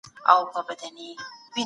ځکه بې له ښه شخصیته شتمني خطرناکه ده.